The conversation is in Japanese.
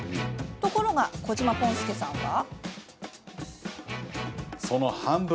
ところが、こじまぽん助さんは。